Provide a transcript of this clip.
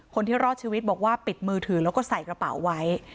คนที่รอดชีวิตบอกว่าปิดมือถือแล้วก็ใส่กระเป๋าไว้